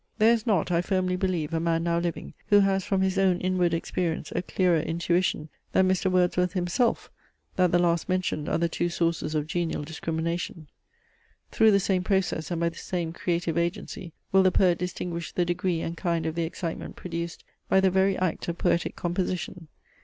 There is not, I firmly believe, a man now living, who has, from his own inward experience, a clearer intuition, than Mr. Wordsworth himself, that the last mentioned are the true sources of genial discrimination. Through the same process and by the same creative agency will the poet distinguish the degree and kind of the excitement produced by the very act of poetic composition.